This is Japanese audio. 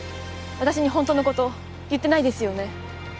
私に本当の事言ってないですよね。